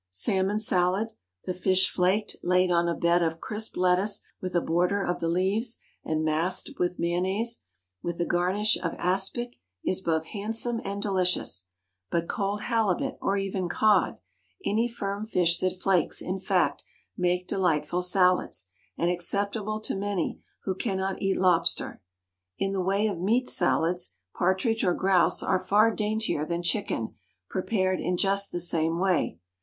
Salmon salad the fish flaked, laid on a bed of crisp lettuce with a border of the leaves, and masked with mayonnaise, with a garnish of aspic is both handsome and delicious; but cold halibut, or even cod any firm fish that flakes, in fact make delightful salads, and acceptable to many who cannot eat lobster. In the way of meat salads, partridge or grouse are far daintier than chicken, prepared in just the same way.